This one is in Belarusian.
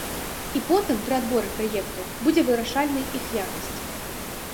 І потым пры адбор праектаў будзе вырашальнай іх якасць.